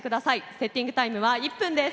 セッティングタイムは１分です。